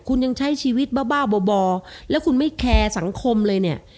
คุณยังใช้ชีวิตบ้าบ้าบ่อแล้วคุณไม่แคร์สังคมเลยเนี่ย